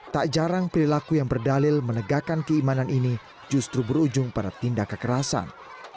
tak jarang perilaku yang berdalil menegakkan keimanan ini justru berujung pada tindak kekerasan